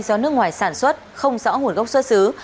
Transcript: do nước ngoài sản xuất không rõ nguồn gốc xuất xứ